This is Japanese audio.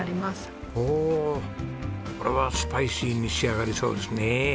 おおこれはスパイシーに仕上がりそうですね。